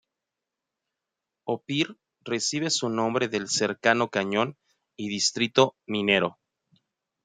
Ophir recibe su nombre del cercano cañón y distrito minero.